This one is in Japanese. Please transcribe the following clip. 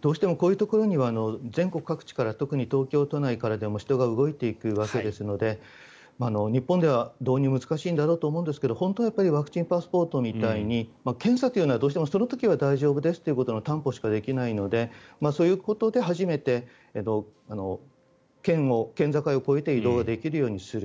どうしてもこういうところには全国各地から特に東京都内からでも人が動いていくわけですので日本では導入は難しいだろうと思いますが本当はワクチンパスポートみたいに検査というのはどうしてもその時は大丈夫ですという担保しかできないのでそういうことで初めて県境を越えて移動できるようにする。